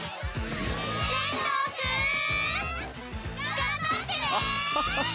頑張ってね！